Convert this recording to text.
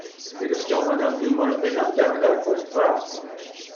دیروز که اومدم فیلما رو بدم، دم در گفت وقت